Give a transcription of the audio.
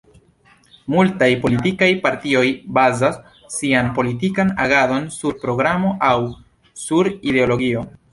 Multaj politikaj partioj bazas sian politikan agadon sur programo aŭ sur ideologio.